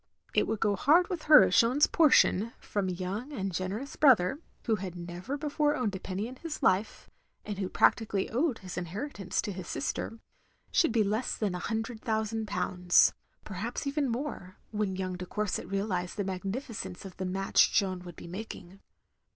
It would go hard with her if Jeanne's portion, from a young and generous brother, — ^who had never before owned a penny in his life, and who practically owed his inheritance to his sister, — should be less than a hundred thousand pounds; perhaps even more, when young de Courset realised the magnificence of the match Jeanne wotdd be making.